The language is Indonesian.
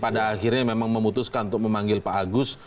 pada akhirnya memang memutuskan untuk memanggil pak agus